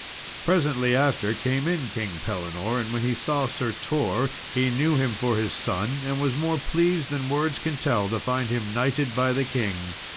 Presently after came in King Pellinore, and when he saw Sir Tor he knew him for his son, and was more pleased than words can tell to find him knighted by the king.